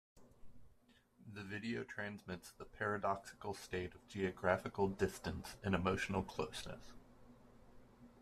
The video transmits the 'paradoxical state of geographical distance and emotional closeness.